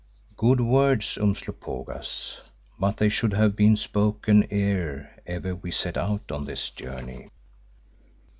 '" "Good words, Umslopogaas, but they should have been spoken ere ever we set out on this journey."